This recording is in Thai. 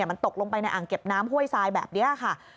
มันตกลงไปในอ่างเก็บน้ำห้วยทรายแบบนี้ค่ะ